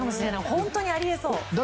本当にあり得そう。